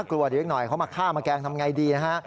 เขามาฆ่ามาแกล้งทำอย่างไรดีนะฮะ